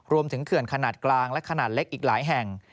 เขื่อนขนาดกลางและขนาดเล็กอีกหลายแห่ง